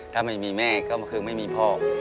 ถ้าไม่มีแม่ก็คือไม่มีพ่อ